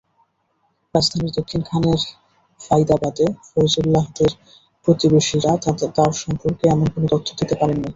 রাজধানীর দক্ষিণখানের ফাইদাবাদে ফয়জুল্লাহদের প্রতিবেশীরা তাঁর সম্পর্কে তেমন কোনো তথ্য দিতে পারেননি।